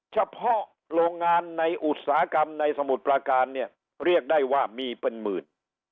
เฉพาะโรงงานในอุตสาหกรรมในสมุทรประการเนี่ยเรียกได้ว่ามีเป็นหมื่น